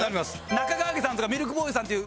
中川家さんとかミルクボーイさんっていう